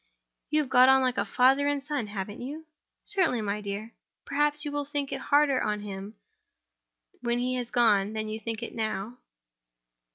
"You have got on like father and son, haven't you?" "Certainly, my dear." "Perhaps you will think it harder on him when he has gone than you think it now?"